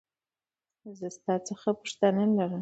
زه ستا څخه پوښتنه لرمه .